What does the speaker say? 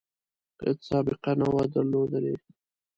هیڅ سابقه نه وه درلودلې.